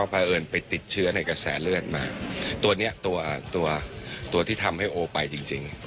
เพราะเอิญไปติดเชื้อในกระแสเลือดมาตัวเนี้ยตัวตัวที่ทำให้โอไปจริงจริง